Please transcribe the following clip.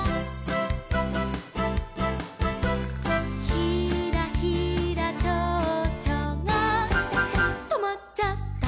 「ひらひらちょうちょがとまっちゃった」